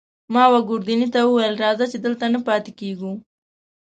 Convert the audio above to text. ما وه ګوردیني ته وویل: راځه، چې دلته نه پاتې کېږو.